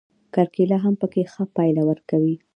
کرکېله هم پکې ښه پایله ورکوي.